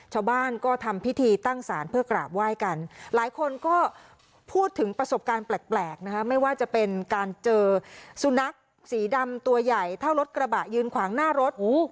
ชาวบ้านก็ทำพิธีตั้งสารเพื่อกราบไหว้กันหลายคนก็พูดถึงประสบการณ์แปลกนะคะไม่ว่าจะเป็นการเจอสุนัขสีดำตัวใหญ่เท่ารถกระบะยืนขวางหน้ารถ